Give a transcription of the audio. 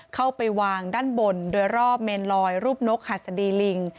เข้าไปวางด้านบนโดยรอบเมนลอยรูปนกหัสดีลิง